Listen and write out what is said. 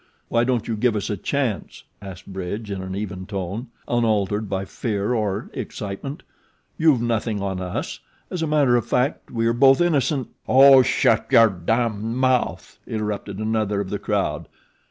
"Why don't you give us a chance?" asked Bridge in an even tone, unaltered by fear or excitement. "You've nothing on us. As a matter of fact we are both innocent " "Oh, shut your damned mouth," interrupted another of the crowd.